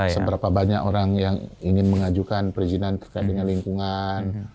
seberapa banyak orang yang ingin mengajukan perizinan terkait dengan lingkungan